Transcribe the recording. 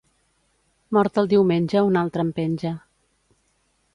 Mort al diumenge un altre en penja.